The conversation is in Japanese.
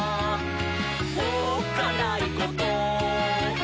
「おっかないこと？」